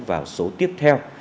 vào số tiếp theo